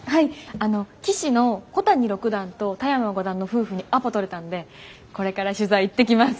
あの棋士の小谷六段と田山五段の夫婦にアポとれたんでこれから取材行ってきます。